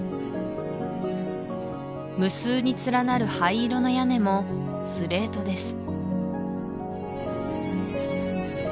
無数に連なる灰色の屋根もスレートです